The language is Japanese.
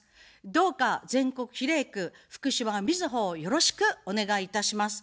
どうか全国比例区、福島みずほをよろしくお願いいたします。